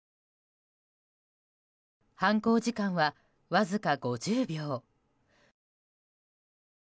犯行時間はわずか５０秒。